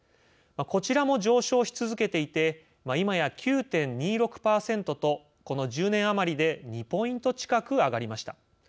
こちらも上昇し続けていていまや９．２６％とこの１０年余りで２ポイント近く上がりました。